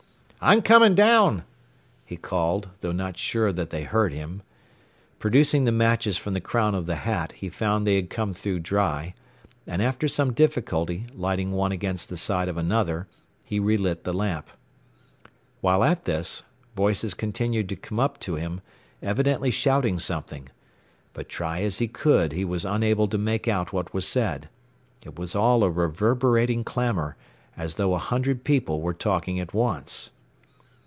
"I'm coming down," he called, though not sure that they heard him. Producing the matches from the crown of the hat, he found they had come through dry, and after some difficulty lighting one against the side of another, he re lit the lamp. While at this, voices continued to come up to him, evidently shouting something. But try as he could he was unable to make out what was said. It was all a reverberating clamor, as though a hundred people were talking at once.